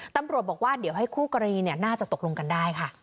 ตำรวจบอกว่าเดี๋ยวให้คู่กรณีน่าจะตกลงกันได้ค่ะ